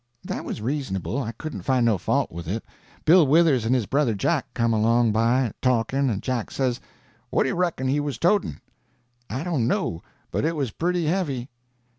That was reasonable. I couldn't find no fault with it. Bill Withers and his brother Jack come along by, talking, and Jack says: "What do you reckon he was toting?" "I dunno; but it was pretty heavy."